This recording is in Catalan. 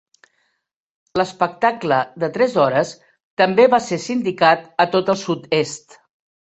L'espectacle de tres hores també va ser sindicat a tot el sud-est.